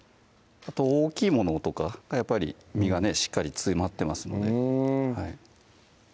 大きいものとかがやっぱり身がねしっかり詰まってますのでうん